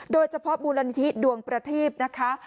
โดยเฉพาะบูรณฐีดวงประทีปนะคะ